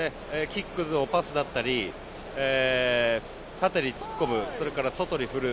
キック、パスだったり縦に突っ込むそれから外に振る。